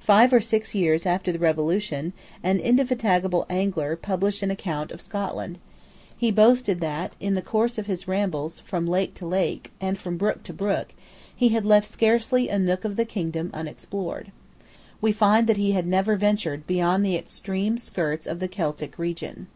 Five or six years after the Revolution, an indefatigable angler published an account of Scotland. He boasted that, in the course of his rambles from lake to lake, and from brook to brook, he had left scarcely a nook of the kingdom unexplored. But, when we examine his narrative, we find that he had never ventured beyond the extreme skirts of the Celtic region.